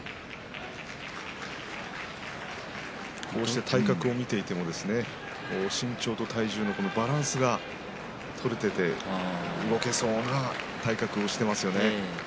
こうして体格を見ていても身長と体重のバランスが取れていて動けそうな体形をしてますよね。